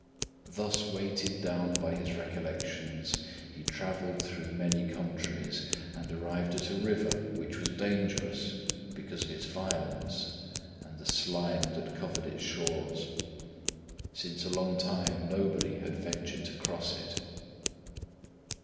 Thus weighted down by his recollections, he travelled through many countries and arrived at a river which was dangerous, because of its violence and the slime that covered its shores. Since a long time nobody had ventured to cross it.